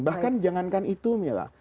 bahkan jangankan itu mila